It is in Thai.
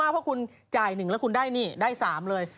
เพราะคุณจ่าย๑แล้วคุณได้นี่ได้๓เลย